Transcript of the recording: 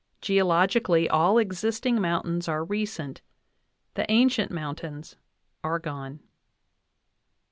Geologically all existing mountains are recent ; the ancient mountains are gone" (Uinta, 196).